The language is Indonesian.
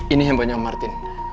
ini handphonenya om martin